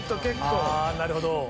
あなるほど。